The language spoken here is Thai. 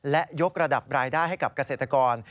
และยกระดับรายได้ให้กับเกษตรกร